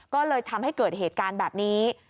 ก็เลยทำให้เกิดเหตุการณ์แบบนี้